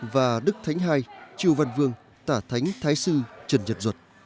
và đức thánh hai triều văn vương tả thánh thái sư trần nhật duật